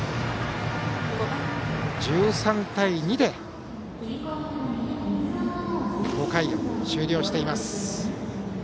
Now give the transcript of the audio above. １３対２で５回を終了しています。